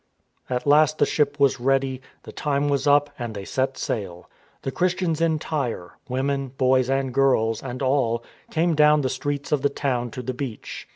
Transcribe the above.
At last the ship was ready, the time was up and they set sail. The Christians in Tyre — women, boys, and girls, and all — came down the streets of the town to the beach.